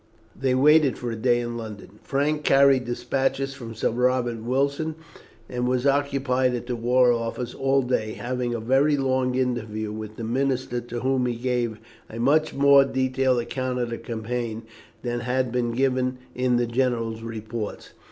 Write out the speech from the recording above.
They waited for a day in London. Frank carried despatches from Sir Robert Wilson, and was occupied at the War Office all day, having a very long interview with the minister, to whom he gave a much more detailed account of the campaign than had been given in the general's reports.